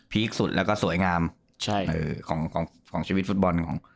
ีคสุดแล้วก็สวยงามของของชีวิตฟุตบอลของ